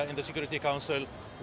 dan dengan keputusan pemerintah